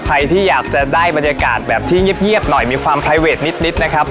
ใครที่อยากจะได้บรรยากาศแบบที่เงียบหน่อยมีความไพรเวทนิดนะครับ